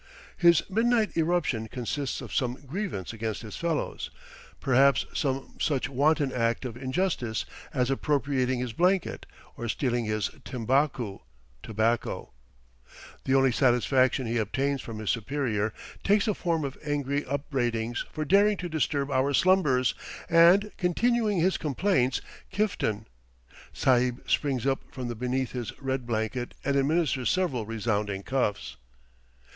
His midnight eruption consists of some grievance against his fellows; perhaps some such wanton act of injustice as appropriating his blanket or stealing his "timbakoo" (tobacco). The only satisfaction he obtains from his superior takes the form of angry upbraidings for daring to disturb our slumbers; and, continuing his complaints, Kiftan. Sahib springs up from beneath his red blanket and administers several resounding cuffs.